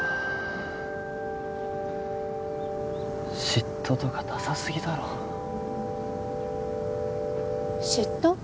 嫉妬とかダサすぎだろ嫉妬？